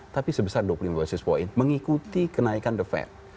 tapi sebesar dua puluh lima basis point mengikuti kenaikan the fed